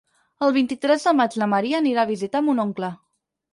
El vint-i-tres de maig na Maria anirà a visitar mon oncle.